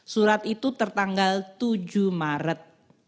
surat itu tertanggal tujuh maret